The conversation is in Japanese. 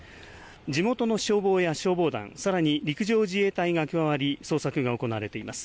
地元の消防や消防団、さらに陸上自衛隊が加わり捜索が行われています。